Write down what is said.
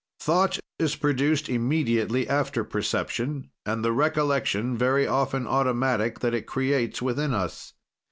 "Thought is produced immediately after perception, and the recollection, very often automatic, that it creates within us.